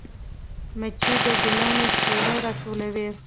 مچۍ د ګلانو شیره راټولوي